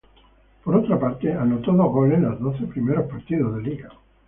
Por otra parte, anotó dos goles en los doce primeros partidos de Liga.